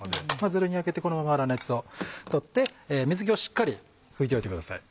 ザルに上げてこのまま粗熱を取って水気をしっかりふいておいてください。